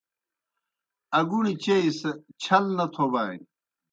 اگُݨیْ چیئی سہ چھل نہ تھوبانیْ۔